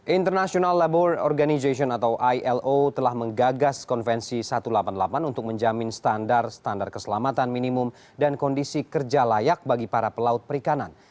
international labor organization atau ilo telah menggagas konvensi satu ratus delapan puluh delapan untuk menjamin standar standar keselamatan minimum dan kondisi kerja layak bagi para pelaut perikanan